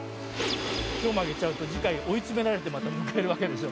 今日負けちゃうと次回追いつめられてまた迎えるわけでしょ？